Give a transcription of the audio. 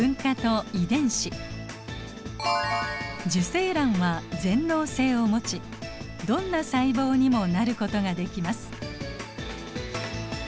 受精卵は全能性を持ちどんな細胞にもなることができます。